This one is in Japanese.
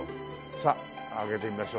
さあ開けてみましょう。